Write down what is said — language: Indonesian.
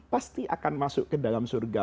pasti akan masuk ke dalam surga